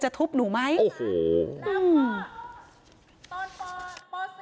จะทุบหนูไหมโอ้โหอืม